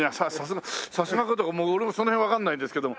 さすがかどうか俺もその辺わかんないんですけど。